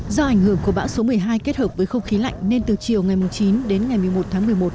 do ảnh hưởng của bão số một mươi hai kết hợp với không khí lạnh nên từ chiều ngày chín đến ngày một mươi một tháng một mươi một